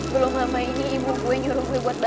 belum lama ini ibu gue nyuruh gue buat balik